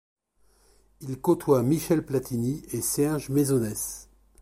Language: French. Il y côtoie Michel Platini et Serge Mesonès.